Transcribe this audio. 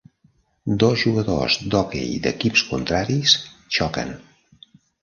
Dos jugadors d'hoquei d'equips contraris xoquen.